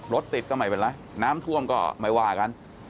รถติดก็ไม่เป็นไรน้ำท่วมก็ไม่ว่ากัน